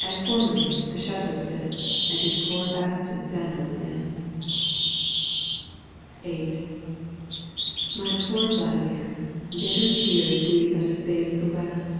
As formerly the shepherd sits And his poor hasten sandal knits. VIII. My poor Vladimir, bitter tears Thee but a little space bewept.